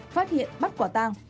phát hiện bắt quả tàng